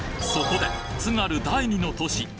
そこで津軽第２の都市